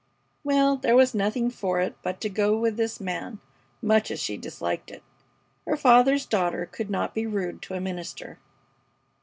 Well, there was nothing for it but to go with this man, much as she disliked it. Her father's daughter could not be rude to a minister.